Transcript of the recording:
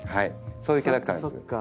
そういうキャラクターです。